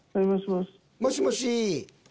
もしもし。